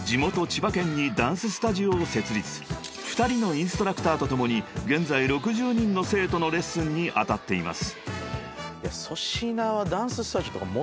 ［２人のインストラクターと共に現在６０人の生徒のレッスンに当たっています］